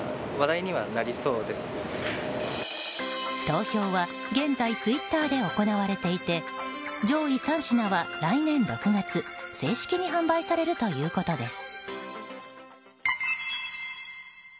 投票は現在ツイッターで行われていて上位３品は、来年６月正式に販売されるということです。